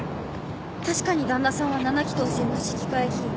確かに旦那さんは７期当選の市議会議員。